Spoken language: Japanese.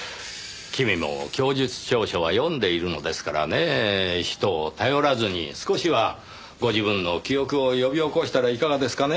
君も供述調書は読んでいるのですからねぇ人を頼らずに少しはご自分の記憶を呼び起こしたらいかがですかね？